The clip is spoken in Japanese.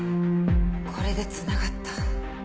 これで繋がった。